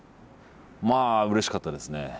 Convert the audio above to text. まあうれしかったですね。